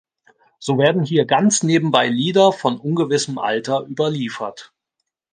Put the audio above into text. So werden hier ganz nebenbei Lieder von ungewissem Alter überliefert.